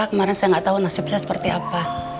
kemarin saya gak tau nasibnya seperti apa